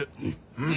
うん。